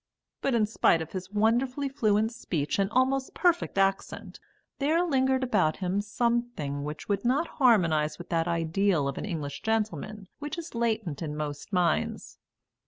But in spite of his wonderfully fluent speech and almost perfect accent, there lingered about him something which would not harmonise with that ideal of an English gentleman which is latent in most minds.